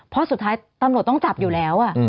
เพราะสุดท้ายตำรวจต้องจับอยู่แล้ว